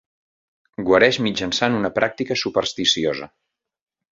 Guareix mitjançant una pràctica supersticiosa.